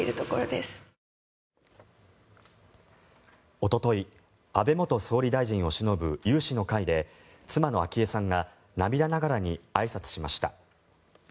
おととい安倍元総理大臣をしのぶ有志の会で妻の昭恵さんが涙ながらにあいさつしました。